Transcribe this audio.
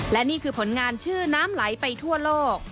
และนี่คือผลงานชื่อน้ำไหลไปทั่วโลก